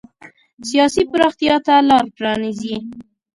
سیاسي پراختیا ته لار پرانېزي.